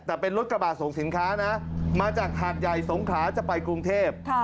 แต่เป็นรถกระบาดส่งสินค้านะมาจากหาดใหญ่สงขลาจะไปกรุงเทพ